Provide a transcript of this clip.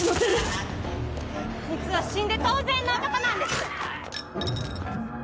あいつは死んで当然の男なんです！